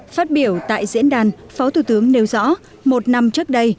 phát biểu tại diễn đàn phó thủ tướng nêu rõ một năm trước đây